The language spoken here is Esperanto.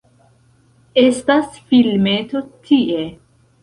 Estas filmeto tie